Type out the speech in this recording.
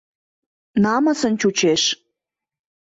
Намысын чучеш.